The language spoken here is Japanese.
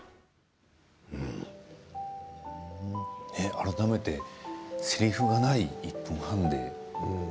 改めて、せりふがない１分半で。